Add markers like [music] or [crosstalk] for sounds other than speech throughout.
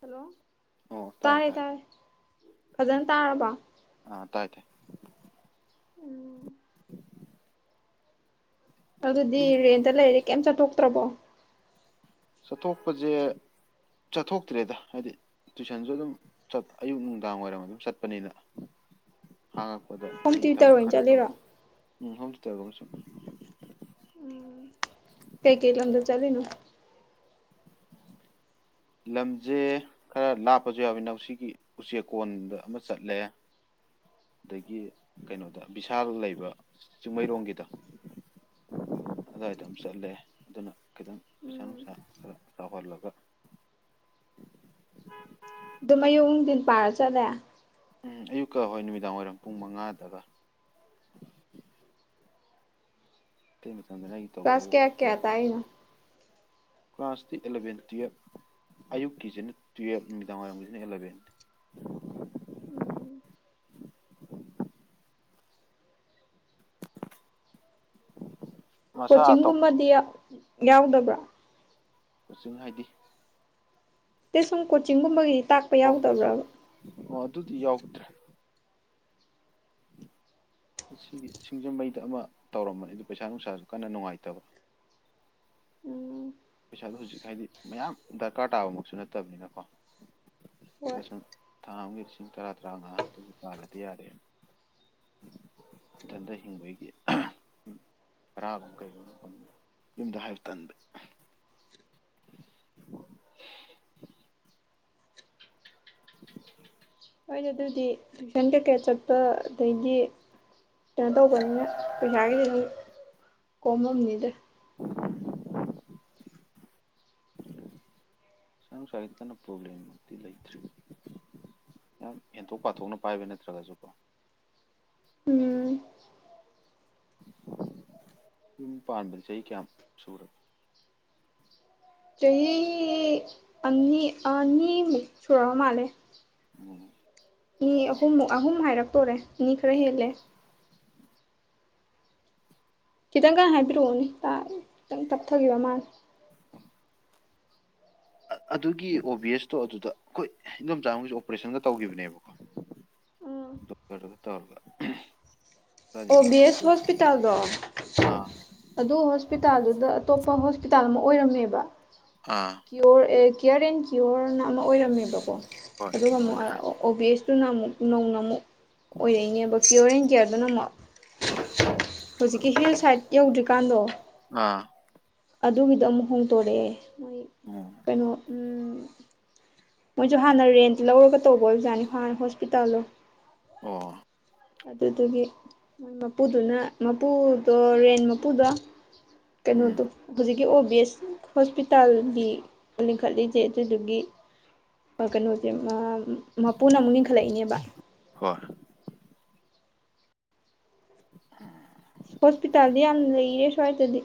Hello ꯇꯥꯔꯦ ꯇꯥꯔꯦ ꯐꯖꯅ ꯇꯥꯔꯕꯣ ꯑ ꯇꯥꯏ ꯇꯥꯏ ꯑꯗꯨꯗꯤ ꯔꯦꯟꯗ ꯂꯩꯔꯗꯤ ꯀꯩꯝ ꯆꯠꯊꯣꯛꯇꯔꯥꯕꯣ ꯆꯠꯊꯣꯛꯄꯁꯦ ꯆꯠꯊꯣꯛꯇ꯭ꯔꯦꯗ ꯍꯥꯏꯗꯤ ꯇꯨꯏꯁꯟꯁꯨ ꯑꯗꯨꯝ ꯆꯠ ꯑꯌꯨꯛ ꯅꯨꯡꯗꯥꯡ ꯋꯥꯏꯔꯝ ꯑꯗꯨꯝ ꯆꯠꯄꯅꯤꯅ ꯍꯪꯉꯥꯛꯄꯗ ꯍꯣꯝ ꯑꯩ ꯇ꯭ꯌꯨꯇꯔ ꯊꯕꯛ ꯑꯣꯏꯅ ꯈꯔ ꯆꯠꯂꯤꯔꯣ ꯇꯧꯔꯤ ꯎꯝ ꯍꯣꯝ ꯇꯨꯏꯇꯔꯒꯨꯝꯕ ꯁꯨꯝ ꯎꯝ ꯀꯩ ꯀꯩ ꯂꯝꯗ ꯆꯠꯂꯤꯅꯣ ꯂꯝꯁꯦ ꯈꯔ ꯂꯥꯞꯄꯁꯨ ꯌꯥꯎꯋꯦ ꯁꯤꯒꯤ ꯎꯆꯦꯛꯀꯣꯟꯗ ꯑꯃ ꯆꯠꯂꯦ ꯑꯗꯒꯤ ꯀꯩꯅꯣꯗ ꯚꯤꯁꯥꯜ ꯂꯩꯕ ꯆꯤꯡꯃꯩꯔꯣꯡꯒꯤꯗ ꯑꯗꯨꯋꯥꯏꯗ ꯑꯃ ꯆꯠꯂꯦ ꯑꯗꯨꯅ ꯈꯤꯇꯪ ꯄꯩꯁꯥ ꯎꯝ ꯅꯨꯡꯁꯥ ꯈꯔ ꯆꯥꯎꯍꯜꯂꯒ ꯎꯝ ꯎꯝ [unintelligible] ꯑꯗꯨꯝ ꯃꯌꯨꯛ ꯅꯨꯡꯊꯤꯟ ꯄꯥꯔ ꯆꯠꯂꯦ ꯎꯝ ꯑꯌꯨꯛꯀ ꯍꯣꯏ ꯅꯨꯃꯤꯗꯥꯡ ꯋꯥꯏꯔꯝ ꯄꯨꯡ ꯃꯉꯥꯗꯒ [unintelligible] ꯀꯂ꯭ꯥꯁ ꯀꯌꯥ ꯈꯔ ꯇꯧ ꯀꯌꯥ ꯇꯛꯏꯅꯣ ꯀ꯭ꯂꯥꯁꯇꯤ ꯑꯦꯂꯕꯦꯟ ꯇꯨꯌꯦꯜꯞ ꯑꯌꯨꯛꯀꯤꯁꯤꯅ ꯇꯨꯌꯦꯞ ꯅꯨꯃꯤꯗꯥꯡ ꯋꯥꯏꯔꯝꯒꯤꯁꯤꯅ ꯑꯦꯂꯕꯦꯟ ꯃꯁꯥ ꯇꯧ ꯀꯣꯆꯤꯡꯒꯨꯝꯕꯗꯤ ꯌꯥꯎꯗꯕ꯭ꯔꯥ ꯀꯣꯆꯤꯡ ꯍꯥꯏꯗꯤ ꯏꯠꯇꯦ ꯁꯨꯝ ꯀꯣꯆꯤꯡꯒꯨꯝꯕꯒꯤꯗꯤ ꯇꯥꯛꯄ ꯑꯣ ꯌꯥꯎꯗꯕ꯭ꯔꯕꯥ ꯑꯣ ꯑꯗꯨꯗꯤ ꯌꯥꯎꯗ꯭ꯔꯦ ꯑꯁꯤꯒꯤ ꯁꯤꯡꯖꯃꯩꯗ ꯑꯃ ꯇꯧꯔꯝꯕꯅꯤ ꯑꯗꯨꯗ ꯄꯩꯁꯥ ꯅꯨꯡꯁꯥꯁꯨ ꯀꯟꯅ ꯅꯨꯡꯉꯥꯏꯇꯕ ꯎꯝ ꯄꯩꯁꯥꯗꯣ ꯍꯧꯖꯤꯛ ꯍꯥꯏꯗꯤ ꯃꯌꯥꯝ ꯗꯔꯀꯥꯔ ꯇꯥꯕꯃꯛꯁꯨ ꯅꯠꯇꯕꯅꯤꯅꯀꯣ ꯨꯑꯗ ꯍꯣꯏ ꯁꯨꯝ ꯊꯥ ꯑꯃꯒꯤ ꯂꯤꯁꯤꯡ ꯇꯔꯥ ꯇꯔꯥꯃꯉꯥ ꯑꯗꯨ ꯇꯥꯜꯂꯗꯤ ꯌꯥꯔꯦ ꯢꯊꯥꯜꯗ ꯍꯤꯡꯕꯒꯤꯗꯤ ꯕꯔꯥꯒꯨꯝ ꯀꯩꯒꯨꯝꯕ ꯌꯨꯝꯗ ꯍꯥꯏꯕ ꯇꯟꯗꯒꯤ [inaudible] [inaudible] ꯍꯣꯏꯅꯦ ꯑꯗꯨꯗꯤ ꯇꯨꯏꯁꯟ ꯀꯩꯀꯩ ꯆꯠꯄ ꯑꯗꯩꯗꯤ ꯀꯩꯅꯣ ꯇꯧꯕꯅꯤꯅ ꯄꯩꯁꯥꯒꯤꯗꯤ ꯑꯗꯨꯝ ꯀꯣꯝꯃꯝꯅꯤꯗ [inaudible] [inaudible] ꯁꯣꯝ ꯁꯥꯠꯇꯅ ꯄ꯭ꯔꯣꯕ꯭ꯂꯦꯝꯃꯨꯛꯇꯤ ꯂꯩꯇ꯭ꯔꯦ ꯌꯥꯝ ꯌꯦꯟꯊꯣꯛ ꯄꯥꯊꯣꯛꯅ ꯄꯥꯏꯕ ꯅꯠꯇ꯭ꯔꯒꯁꯨꯀꯣ ꯎꯝ ꯌꯨꯝ ꯄꯥꯟꯕ ꯆꯍꯤ ꯀꯌꯥ ꯁꯨꯔꯒꯦ ꯆꯍꯤ ꯑꯅꯤ ꯑꯅꯤꯃꯨꯛ ꯁꯨꯔꯕ ꯃꯥꯜꯂꯦ ꯎꯝ ꯃꯤ ꯑꯍꯨꯝꯃꯨꯛ ꯑꯍꯨꯝ ꯍꯥꯏꯔꯛꯇꯣꯔꯦ ꯑꯅꯤ ꯈꯔ ꯍꯦꯜꯂꯦ ꯈꯤꯇꯪ ꯒꯥꯟꯅ ꯍꯥꯏꯕꯤꯔꯛꯑꯣꯅꯦ ꯈꯤꯇꯪ ꯇꯞꯊꯈꯤꯕ ꯃꯥꯜꯂꯦ ꯑꯗꯨꯒꯤ ꯑꯣꯕꯤꯑꯦꯁꯇꯣ ꯑꯗꯨꯗ ꯑꯩꯈꯣꯏ ꯏꯗꯣꯝꯆꯥ ꯑꯃꯁꯨ ꯑꯣꯄꯔꯦꯁꯟꯒ ꯇꯧꯈꯤꯕꯅꯦꯕꯀꯣ ꯎ [unintelligible] ꯗꯣꯛꯇꯥ꯭ꯔ ꯗꯨꯒ ꯇꯧꯔꯒ ꯈꯔꯗꯤ ꯃꯔꯛ ꯈꯛ ꯑꯣꯕꯤꯑꯦꯁ ꯍꯣꯁꯄꯤꯇꯥꯜꯗꯣ ꯑꯥ ꯑꯗꯨ ꯍꯣꯁꯄꯤꯇꯥꯜꯗꯨꯗ ꯑꯇꯣꯞꯄ ꯍꯣꯁꯄꯤꯇꯥꯜ ꯑꯃ ꯑꯣꯏꯔꯝꯃꯦꯕ ꯑꯥ ꯀꯤꯌꯣꯔ ꯑꯦ ꯀꯤꯌꯣꯔ ꯑꯦꯟ ꯀꯤꯌꯣꯔꯅ ꯑꯃ ꯑꯣꯏꯔꯝꯃꯦꯕꯀꯣ ꯎꯝ. ꯍꯣꯏ ꯑꯗꯨꯒ ꯑꯃꯨꯛ ꯑꯗꯨꯃꯥꯏꯅ ꯍꯥꯏ ꯑꯣ ꯕꯤ ꯑꯦꯁꯇꯨꯅ ꯑꯃꯨꯛ ꯅꯧꯅ ꯑꯃꯨꯛ ꯑꯣꯏꯔꯛꯏꯅꯦꯕ ꯀ꯭ꯌꯣꯔ ꯑꯦꯟ ꯀꯤꯌꯔꯗꯨꯅ ꯑꯃꯨꯛ ꯍꯧꯖꯤꯛꯀꯤ ꯍꯤꯜ ꯁꯥꯏꯠ ꯌꯧꯗ꯭ꯔꯤꯀꯥꯟꯗꯣ ꯑꯥ ꯑꯗꯨꯒꯤꯗꯣ ꯑꯃꯨꯛ ꯍꯣꯡꯇꯣꯔꯛꯑꯦ ꯃꯣꯏ ꯎꯝ ꯀꯩꯅꯣ ꯃꯣꯏꯁꯨ ꯍꯥꯟꯅ ꯔꯦꯟ ꯂꯧꯔꯒ ꯇꯧꯕ ꯑꯣꯏꯕꯖꯥꯠꯅꯤ ꯍꯥꯟꯅ ꯍꯣꯁꯄꯤꯇꯥꯜꯗꯣ ꯑꯣ ꯑꯗꯨꯗꯨꯒꯤ ꯃꯣꯏ ꯃꯄꯨꯗꯨꯅ ꯃꯄꯨꯗꯣ ꯔꯦꯟ ꯃꯄꯨꯗꯣ ꯎꯝ ꯀꯩꯅꯣꯗꯣ ꯍꯧꯖꯤꯛꯀꯤ ꯑꯣꯕꯤꯑꯦꯁ ꯍꯣꯁꯄꯤꯇꯥꯜꯒꯤ ꯂꯤꯡꯈꯠꯂꯤꯁꯦ ꯑꯗꯨꯗꯨꯒꯤ ꯀꯩꯅꯣꯁꯦ ꯃꯄꯨꯅ ꯑꯃꯨꯛ ꯂꯤꯡꯈꯠꯂꯛꯏꯅꯦꯕ ꯍꯣꯏ ꯎꯝ [inaudible] ꯍꯣꯁꯄꯤꯇꯥꯜꯗꯤ ꯌꯥꯝ ꯂꯩꯌꯦ ꯁ꯭ꯋꯥꯏꯗꯗꯤ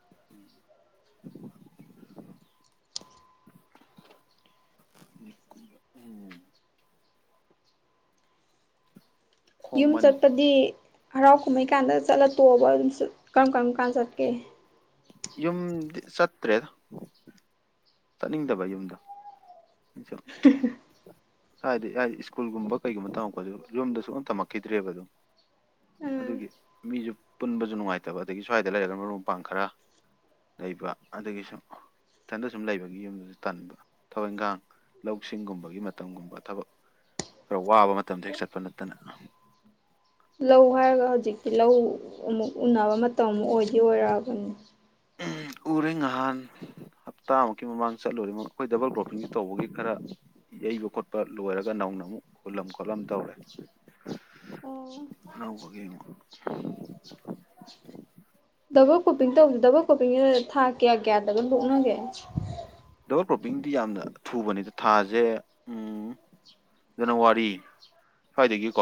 [inaudible] ꯎꯝ [inaudible] ꯌꯨꯝ ꯈꯣꯡꯃꯟ ꯆꯠꯄꯗꯤ ꯍꯔꯥꯎ ꯀꯨꯝꯍꯩ ꯀꯥꯟꯗ ꯆꯠꯂ ꯇꯣꯛꯑꯕ ꯑꯗꯨꯝ ꯀꯔꯝ ꯀꯔꯝ ꯀꯥꯟꯗ ꯆꯠꯀꯦ ꯌꯨꯝꯗꯤ ꯆꯠꯇ꯭ꯔꯦ ꯆꯠꯅꯤꯡꯗꯕ ꯌꯨꯝꯗ [unintelligible] ꯍꯥꯏꯗꯤ ꯍꯥꯢꯗꯤ ꯁ꯭ꯀꯨꯜꯒꯨꯝꯕ ꯀꯩꯒꯨꯝꯕ ꯇꯝꯃꯛꯄꯁꯨ ꯌꯨꯝꯗꯁꯨ ꯑꯝ ꯇꯝꯃꯛꯈꯤꯗ꯭ꯔꯦꯕ ꯑꯗꯨꯝ ꯎꯝ ꯑꯗꯨꯒꯤ ꯃꯤꯁꯨ ꯄꯨꯟꯕꯁꯨ ꯅꯨꯡꯉꯥꯏꯇꯕ ꯑꯗꯒꯤ ꯁ꯭ꯋꯥꯏꯗ ꯂꯩꯔꯒꯅ ꯃꯔꯨꯞ ꯃꯄꯥꯡ ꯈꯔ ꯂꯩꯕ ꯑꯗꯨꯒꯤ ꯁꯨꯝ ꯏꯊꯟꯗ ꯁꯨꯝ ꯂꯩꯕꯒꯤ ꯌꯨꯝꯗꯁꯨ ꯇꯟꯕ ꯊꯕ ꯏꯟꯈꯥꯡ ꯂꯧ ꯁꯤꯡꯒꯨꯝꯕꯒꯤ ꯃꯇꯝꯒꯨꯝꯕ ꯊꯕꯛ ꯈꯔ ꯋꯥꯕ ꯃꯇꯝꯗ ꯍꯦꯛ ꯆꯠꯄ ꯅꯠꯇꯅ ꯂꯧ ꯍꯥꯏꯔꯒ ꯍꯧꯖꯤꯛꯇꯤ ꯂꯧ ꯑꯃꯨꯛ ꯎꯟꯅꯅꯕ ꯃꯇꯝ ꯑꯃꯨ ꯑꯣꯏꯗꯤ ꯑꯣꯏꯔꯛꯑꯕꯅꯤ ꯎꯔꯦ ꯉꯍꯥꯟ ꯍꯞꯇꯥꯃꯨꯛꯀꯤ ꯃꯃꯥꯡꯗ ꯆꯠꯂꯨꯔꯦ ꯑꯩꯈꯣꯏ ꯗꯕꯜ ꯀ꯭ꯔꯣꯄꯤꯡ ꯇꯧꯕꯒꯤ ꯈꯔ ꯌꯩꯕ ꯈꯣꯠꯄ ꯂꯣꯏꯔꯒ ꯅꯧꯅ ꯑꯃꯨꯛ ꯍꯨꯜꯂꯝ ꯈꯣꯠꯂꯝ ꯇꯧꯔꯦ ꯑꯅꯧꯕꯒꯤ ꯑꯃꯨꯛ ꯗꯕꯜ ꯀꯣꯄꯤꯡ ꯇꯧꯕꯁꯦ ꯗꯕꯜ ꯀꯣꯄꯤꯡꯁꯤꯗ ꯊꯥ ꯀꯌꯥ ꯀꯌꯥꯗꯒ ꯂꯣꯛꯅꯒꯦ ꯗꯕꯜ ꯀ꯭ꯔꯣꯞꯄꯤꯡꯗꯤ ꯌꯥꯝꯅ ꯊꯨꯕꯅꯤꯗ ꯊꯥꯁꯦ ꯎꯝ ꯖꯅꯋꯥꯔꯤ ꯁ꯭ꯋꯥꯏꯗꯒꯤꯀꯣ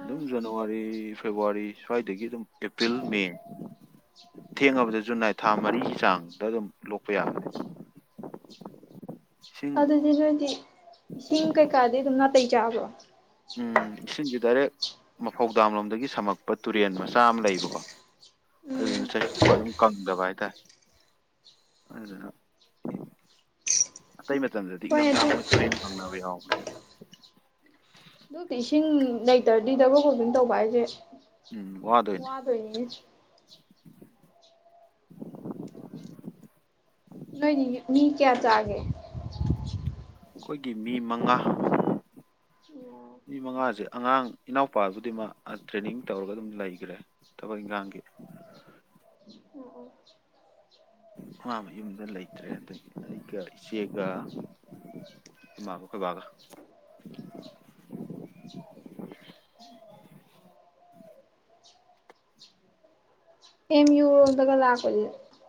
ꯑꯗꯨꯝ ꯖꯅꯋꯥꯔꯤ ꯐꯦꯕꯋꯥꯔꯤ ꯁ꯭ꯋꯥꯏꯗꯒꯤ ꯑꯗꯨꯝ ꯑꯦꯄ꯭ꯔꯤꯜ ꯃꯦ ꯊꯦꯡꯉꯕꯗ ꯖꯨꯟ ꯍꯥꯏ ꯊꯥ ꯃꯔꯤꯒꯤ ꯆꯥꯡꯗ ꯑꯗꯨꯝ ꯂꯣꯛꯄ ꯌꯥꯕꯅꯦ ꯏꯁꯤꯡ ꯑꯗꯨꯗꯤ ꯅꯣꯏꯗꯤ ꯏꯁꯤꯡ ꯀꯩꯀꯥꯗꯤ ꯑꯗꯨꯝ ꯅꯥꯇꯩ ꯆꯥꯕ꯭ꯔꯣ ꯎꯝ ꯏꯁꯤꯡꯁꯦ ꯗꯥꯏꯔꯦꯛ ꯃꯐꯧꯗꯥꯝꯂꯣꯝꯗꯒꯤ ꯁꯝꯃꯛꯄ ꯇꯨꯔꯦꯟ ꯃꯆꯥ ꯑꯃ ꯂꯩꯕꯀꯣ ꯑꯗꯨꯗꯨꯅ ꯆꯍꯤꯆꯨꯞꯄ ꯑꯗꯨꯝ ꯀꯪꯗꯕ ꯍꯥꯏꯇꯥꯔꯦ ꯑꯗꯨꯅ ꯑꯇꯩ ꯃꯇꯝꯗꯗꯤ ꯍꯣꯏ ꯑꯗꯨ ꯏꯪꯊꯝꯊꯥꯒꯨꯝꯕ ꯇꯨꯔꯦꯟ ꯀꯪꯅꯕ ꯌꯥꯎꯕꯅꯦꯕ ꯑꯗꯨꯗꯤ ꯏꯁꯤꯡ ꯂꯩꯇ꯭ꯔꯗꯤ ꯗꯕꯜ ꯀ꯭ꯔꯣꯄꯤꯡ ꯇꯧꯕ ꯍꯥꯏꯁꯦ ꯎꯝ ꯋꯥꯗꯣꯏꯅꯦ ꯍꯣꯏ [unintelligible] ꯅꯣꯏꯗꯤ ꯃꯤ ꯀꯌꯥ ꯆꯥꯒꯦ ꯑꯩꯈꯣꯏꯒꯤ ꯃꯤ ꯃꯉꯥ ꯃꯤ ꯃꯉꯥꯁꯦ ꯑꯉꯥꯡ ꯏꯅꯥꯎꯄꯥꯕꯨꯗꯤ ꯃꯥ ꯇ꯭ꯔꯦꯅꯤꯡ ꯇꯧꯔꯒ ꯑꯗꯨꯝ ꯂꯩꯈ꯭ꯔꯦ ꯊꯕꯛ ꯏꯒꯥꯡꯒꯤ ꯃꯥꯃ ꯌꯨꯝꯗ ꯂꯩꯇ꯭ꯔꯦ ꯑꯗꯒꯤ ꯑꯩꯒ ꯏꯆꯦꯒ ꯑꯩꯈꯣꯏ ꯃꯥꯒ ꯑꯩꯈꯣꯏ ꯕꯥꯒ ꯑꯦꯝ ꯌꯨ ꯔꯣꯝꯗꯒ ꯂꯥꯛꯄꯗꯤ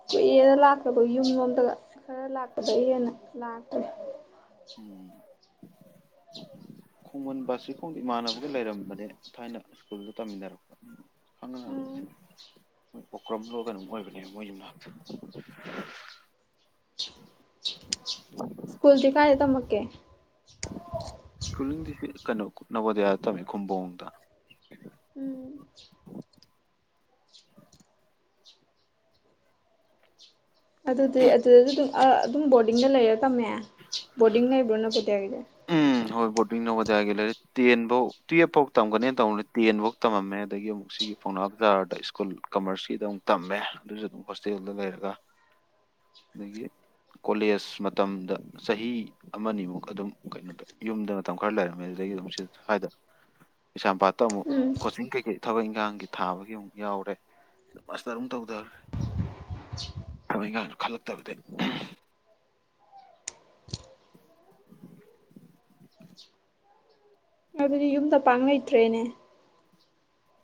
ꯀꯨꯏꯔꯦꯗ ꯂꯥꯛꯇꯕ ꯌꯨꯝꯂꯣꯝꯗꯒ ꯈꯔ ꯂꯥꯛꯄꯗꯩ ꯍꯦꯟꯅ ꯂꯥꯛꯇꯔꯦ ꯎꯝ [unintelligible] ꯈꯣꯡꯃꯟ ꯕꯥꯁꯤꯈꯣꯡꯗ ꯏꯃꯥꯟꯅꯕꯒ ꯂꯩꯔꯝꯕꯅꯦ ꯊꯥꯏꯅ ꯁ꯭ꯀꯨꯜꯗ ꯇꯝꯃꯤꯟꯅꯔꯛꯄ ꯈꯪꯉꯔꯣꯏ ꯎꯝ ꯃꯣꯏ ꯑꯣꯀ꯭ꯔꯝ ꯂꯣ ꯀꯩꯅꯣꯝ ꯑꯣꯏꯕꯅꯦꯕ ꯃꯣꯏꯒꯤ ꯌꯨꯝꯅꯥꯛꯇꯣ ꯎ [unintelligible] ꯁꯀ꯭ꯨ ꯜꯗꯤ ꯀꯥꯏꯗ ꯊꯝꯃꯛꯀꯦ ꯁꯀ꯭ꯨ ꯜꯂꯤꯡꯗꯤ ꯀꯩꯅꯣ ꯅꯚꯣꯗꯤꯌꯥꯗ ꯇꯝꯃꯦ ꯈꯨꯝꯕꯣꯡꯗ ꯎꯝ ꯑꯗꯨꯗꯤ ꯑꯗꯨꯗꯁꯨ ꯑꯗꯨꯝ ꯑ ꯑꯗꯨꯝ ꯕꯣꯔꯗꯤꯡꯗ ꯂꯩꯔ ꯇꯝꯃꯦ ꯕꯣꯔꯗꯤꯡ ꯂꯩꯕ꯭ꯔꯣ ꯅꯕꯣꯗꯌꯥꯒꯤꯗꯤ ꯎꯝ ꯍꯣꯏ ꯕꯣꯔꯗꯤꯡ ꯅꯕꯣꯗꯤꯌꯥꯒꯤ ꯂꯩꯔꯦ ꯇꯦꯟꯐꯧ ꯇꯨꯌꯦꯐ ꯐꯥꯎ ꯇꯝꯒꯅꯦꯅ ꯇꯧ ꯇꯦꯟꯐꯧ ꯇꯝꯃꯝꯃꯦ ꯑꯗꯒꯤ ꯑꯃꯨꯛ ꯁꯤꯒꯤ ꯄꯥꯎꯅꯥ ꯕꯖꯥꯔꯗ ꯁ꯭ꯀꯨꯜ ꯀꯃꯔꯁꯀꯤꯗ ꯑꯃꯨꯛ ꯇꯝꯃꯦ ꯑꯗꯨꯁꯨ ꯑꯗꯨꯝ ꯍꯣꯁꯇꯦꯜꯗ ꯂꯩꯔꯒ [inaudible] ꯑꯗꯒꯤ ꯀꯣꯂꯦꯖ ꯃꯇꯝꯗ ꯆꯍꯤ ꯑꯃꯅꯤꯃꯨꯛ ꯑꯗꯨꯝ ꯀꯩꯅꯣꯗ ꯌꯨꯝꯗ ꯃꯇꯝ ꯈꯔ ꯂꯩꯔꯝꯃꯦ ꯑꯗꯨꯗꯒꯤ ꯑꯗꯨꯝ ꯁꯤ ꯁꯥꯏꯗ ꯀꯩꯁꯥꯝꯄꯥꯠꯇ ꯑꯃꯨꯛ ꯎꯝ ꯀꯣꯆꯤꯡ ꯀꯩꯀꯩ ꯊꯕꯛ ꯏꯪꯈꯥꯡꯒꯤ ꯊꯥꯕꯒꯤ ꯑꯃꯨꯛ ꯌꯥꯎꯔꯦ ꯃꯥꯁꯇꯔ ꯑꯃꯨꯛ ꯇꯧꯗꯔꯦ ꯊꯕꯛ ꯏꯟꯈꯥꯡꯁꯨ ꯈꯜꯂꯛꯇꯕꯗꯩ ꯑꯗꯨꯗꯤ ꯌꯨꯝꯗ ꯄꯥꯡ ꯂꯩꯩꯇ꯭ꯔꯦꯅꯦ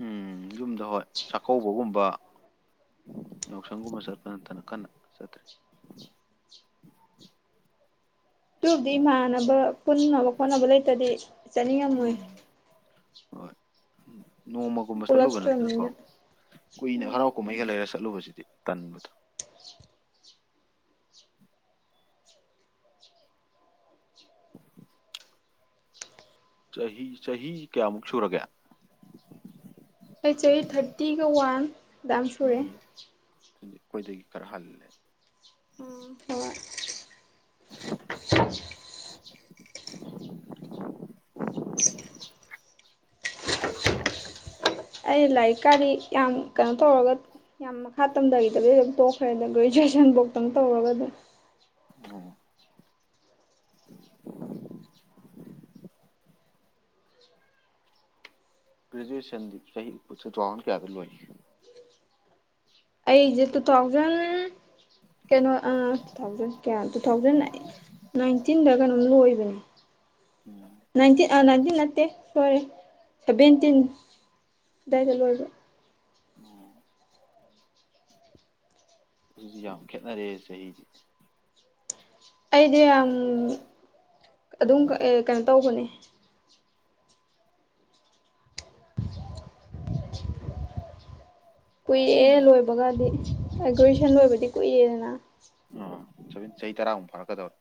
ꯎꯝ ꯌꯨꯝꯗ ꯍꯣꯏ ꯆꯥꯛꯀꯧꯕꯒꯨꯝꯕ ꯌꯥꯎꯁꯪꯒꯨꯝꯕ ꯆꯠꯄ ꯅꯠꯇꯅ ꯀꯟꯅ ꯆꯠꯇ꯭ꯔꯦ ꯇꯨꯕꯨꯗꯤ ꯏꯃꯥꯟꯅꯕ ꯄꯨꯟꯅꯕ ꯈꯣꯠꯅꯕ ꯂꯩꯇꯗꯤ ꯆꯠꯅꯤꯡꯉꯝꯃꯣꯏ ꯎꯝ ꯍꯣꯏ ꯅꯣꯡꯃꯒꯨꯝꯕ ꯆꯠꯂꯨꯕ ꯅꯠꯇꯅꯀꯣ ꯄꯨꯜꯂꯛꯇ꯭ꯔꯕꯅꯤꯅ ꯀꯨꯏꯅ ꯍꯔꯥꯎ ꯀꯨꯝꯍꯩ ꯑꯩꯒ ꯂꯩꯔ ꯆꯠꯂꯨꯕꯁꯤꯗꯤ ꯇꯟꯕꯗꯣ [unintelligible] ꯆꯍꯤ ꯆꯍꯤ ꯀꯌꯥꯃꯨꯛ ꯁꯨꯔꯒꯦ ꯑꯩ ꯆꯍꯤ ꯊꯥꯔꯇꯤꯒ ꯋꯥꯟ ꯑꯗꯥꯏꯝ ꯁꯨꯔꯦ ꯎꯝ ꯗꯨꯗꯤ ꯑꯩꯈꯣꯏꯗꯩ ꯈꯔ ꯍꯜꯂꯦ ꯑꯣ ꯍ‌ꯣꯏ [unintelligible] [unintelligible] ꯑꯩ ꯂꯥꯏꯔꯤꯛꯀꯥꯗꯤ ꯌꯥꯝ ꯀꯩꯅꯣ ꯇꯧꯔꯒ ꯌꯥꯝ ꯃꯈꯥ ꯇꯝꯊꯈꯤꯗꯕꯤ ꯑꯗꯨꯝ ꯇꯣꯛꯈ꯭ꯔꯦꯗ ꯒ꯭ꯔꯦꯖꯨꯑꯦꯁꯟꯐꯧꯇꯪ ꯇꯧꯔꯒ ꯑꯗꯨꯝ ꯑꯣ [unintelligible] ꯒ꯭ꯔꯦꯖꯨꯑꯦꯁꯟꯗꯤ ꯆꯍꯤ ꯇꯨꯊꯥꯎꯖꯟ ꯀꯌꯥꯗ ꯂꯣꯏꯒ‌ꯦ ꯑꯩꯁꯦ ꯇꯨ ꯊꯥꯎꯖꯟ ꯀꯩꯅꯣ ꯇꯨ ꯊꯥꯎꯖꯟ ꯀꯌꯥ ꯇꯨ ꯊꯥꯎꯖꯟ ꯑꯩ ꯅꯥꯏꯟꯇꯤꯟꯗ ꯀꯩꯅꯣꯝ ꯂꯣꯏꯕꯅꯦ ꯑꯣ ꯅꯥꯏꯟꯇꯤꯟ ꯑꯥ ꯅꯥꯏꯟꯇꯤꯟ ꯅꯠꯇꯦ ꯁ‌ꯣꯏꯔ‌ꯦ ꯁꯕꯦꯟꯇꯤꯟ ꯑꯗꯥꯏꯗ ꯂꯣꯏꯕ [unintelligible] ꯁꯨ ꯌꯥꯝ ꯈꯦꯠꯅꯔꯦ ꯆꯍꯤꯗꯤ ꯑꯩꯗꯤ ꯌꯥꯝ ꯑꯗꯨꯝ ꯑ ꯀꯩꯅꯣ ꯇꯧꯕꯅꯦ ꯀꯨꯏꯑꯦ ꯑꯩꯅ ꯂꯣꯏꯕꯒꯗꯤ ꯑ ꯒ꯭ꯔ‌ꯦꯖꯨꯑꯦꯁꯟ ꯂꯣꯏꯕꯗꯤ ꯀꯨꯏꯔ‌ꯦꯗꯅ ꯑ ꯆꯍꯤ ꯇꯔꯥꯃꯨꯛ ꯐꯥꯔꯛꯀꯗ‌ꯣꯔ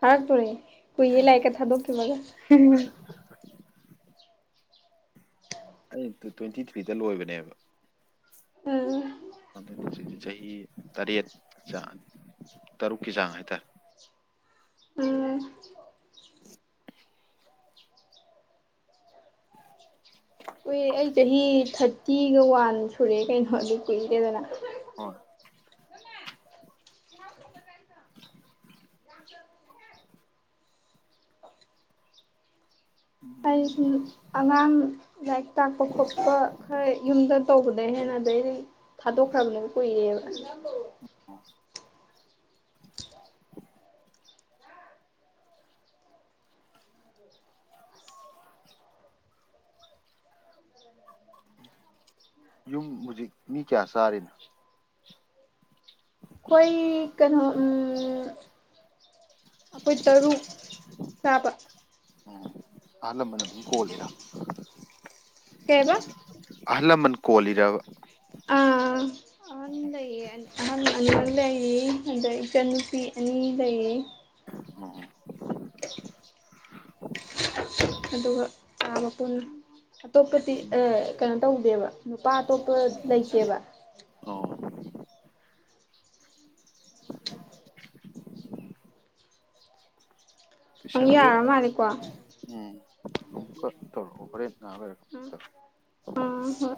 ꯐꯔꯛꯇꯣꯔꯦ ꯀꯨꯏꯌꯦ ꯂꯥꯏꯔꯤꯛꯀ ꯊꯥꯗꯣꯛꯈꯤꯕꯒ ꯑꯩ ꯇꯨ ꯇ꯭ꯋꯦꯟꯇꯤ ꯊ꯭ꯔꯤꯗ ꯂꯣꯏꯕꯅꯦꯕ ꯎꯝ ꯑꯗꯨꯅ‌ꯦ ꯍꯧꯖꯤꯛꯁꯤ ꯆꯍꯤ ꯇꯔꯦꯠ ꯆꯥꯡ ꯇꯔꯨꯛꯀꯤ ꯆꯥꯡ ꯍꯥꯏꯇꯥꯔꯦ ꯎꯝ ꯀꯨꯏꯔ‌ꯦ ꯑꯩ ꯆꯍꯤ ꯊꯠ ꯇꯤꯒ ꯋꯥꯟ ꯁꯨꯔꯦ ꯀꯩꯅꯣ ꯑꯗꯨ ꯀꯨꯏꯔꯦꯗꯅ ꯍꯣꯏ ꯑꯩꯁꯨ ꯑꯉꯥꯡ ꯂꯥꯏꯔꯤꯛ ꯇꯥꯛꯄ ꯈꯣꯠꯄ ꯈꯔ ꯌꯨꯝꯗ ꯇꯧꯕꯗꯩ ꯍꯦꯟꯅ ꯑꯗꯩꯗꯤ ꯊꯥꯗꯣꯛꯈ꯭ꯔꯝꯅꯦꯕ ꯀꯨꯏꯔꯦꯕ ꯌꯨꯝ ꯍꯧꯖꯤꯛ ꯃꯤ ꯀꯌꯥ ꯆꯥꯔꯤꯅꯣ ꯑꯩꯈꯣꯏ ꯀꯩꯅꯣ ꯎꯝ ꯑꯩꯈꯣꯏ ꯇꯔꯨꯛ ꯆꯥꯕ ꯑꯣ ꯑꯍꯟ ꯂꯃꯟ ꯑꯗꯨꯝ ꯀꯣꯜꯂꯤꯔ‌ꯣ ꯀꯩꯑꯕ ꯑꯍꯜ ꯂꯃꯟ ꯀꯣꯜꯂꯤꯔꯕ ꯑ ꯑꯍꯟ ꯂꯩꯌꯦ ꯑ ꯑꯍꯟ [unintelligible] ꯂꯩ ꯑꯗꯩ ꯏꯆꯟꯅꯨꯄꯤ ꯑꯅꯤ ꯂꯩ ꯑꯣ [unintelligible] ꯑꯗꯨꯒ ꯆꯥꯕ ꯄꯨꯟ ꯑꯇꯣꯞꯄꯗꯤ ꯑ ꯀꯩꯅꯣ ꯇꯧꯗꯦꯕ ꯅꯨꯄꯥ ꯑꯇꯣꯞꯄ ꯂꯩꯇꯦꯕ ꯑꯣ ꯅꯪ ꯇꯨꯏꯁꯟꯁꯦ ꯌꯥꯔ ꯃꯥꯜꯂꯦꯀꯣ ꯎꯝ ꯑꯃꯨꯛꯀ ꯇꯧꯔꯛꯑꯣ ꯍꯣꯔꯦꯟ ꯉꯍꯥꯛ ꯂꯩꯔꯒ ꯇꯧꯔꯛꯑꯣ꯫ ꯑ ꯍꯣꯏ